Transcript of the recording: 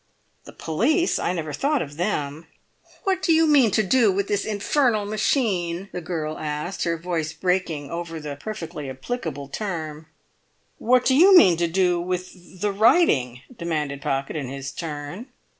"The police! I never thought of them." "What do you mean to do with this—this infernal machine?" the girl asked, her voice breaking over the perfectly applicable term. "What do you mean to do with—the writing?" demanded Pocket in his turn.